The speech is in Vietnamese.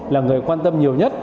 là người quan tâm nhiều nhất